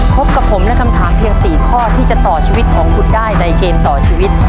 พบกับผมและคำถามเพียง๔ข้อที่จะต่อชีวิตของคุณได้ในเกมต่อชีวิต